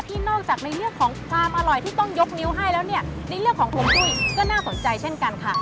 นอกจากในเรื่องของความอร่อยที่ต้องยกนิ้วให้แล้วเนี่ยในเรื่องของฮวงจุ้ยก็น่าสนใจเช่นกันค่ะ